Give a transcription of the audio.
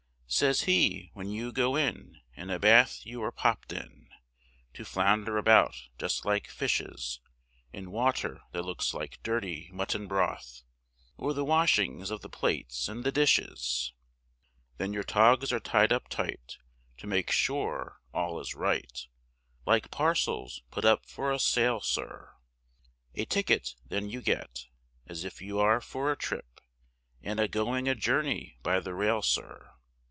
Says he, when you go in, in a bath you are popt in, To flounder about just like fishes, In water that looks like dirty mutton broth, Or the washings of the plates and the dishes; Then your togs are tied up tight, to make sure all is right, Like parcels put up for a sale, sir, A ticket then you get, as if you are for a trip, And a going a journey by the rail, sir.